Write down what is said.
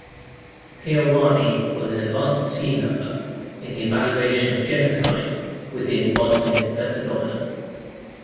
Peerwani was an advance team member in the evaluation of genocide within Bosnia-Herzegovina.